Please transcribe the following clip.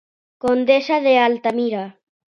Condesa de Altamira.